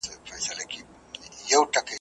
د زلمو ویني بهیږي د بوډا په وینو سور دی ,